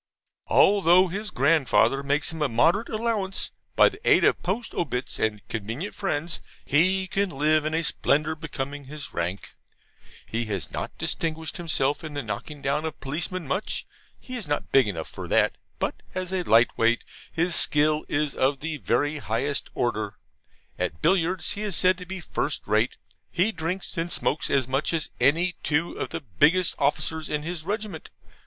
Although his grandfather makes him a moderate allowance, by the aid of POST OBITS and convenient friends he can live in a splendour becoming his rank. He has not distinguished himself in the knocking down of policemen much; he is not big enough for that. But, as a light weight, his skill is of the very highest order. At billiards he is said to be first rate. He drinks and smokes as much as any two of the biggest officers in his regiment.